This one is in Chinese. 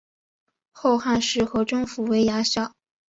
后汉时河中府为牙校。